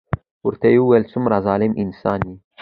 ورته يې وويل څومره ظلم انسان يې.